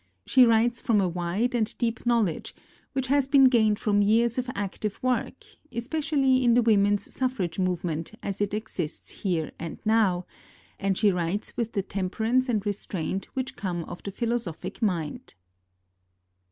She writes from a wide and deep knowledge, which has been gained from years of active work, especially in the women's suffrage movement as it exists here and now; and she writes with the temperance and restraint which come of the philosophic mind.